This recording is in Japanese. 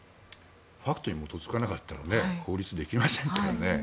ファクトに基づかなかったら法律、できませんからね。